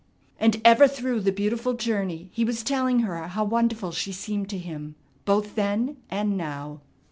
And ever through the beautiful journey he was telling her how wonderful she seemed to him, both then and now.